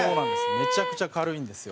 めちゃくちゃ軽いんですよ。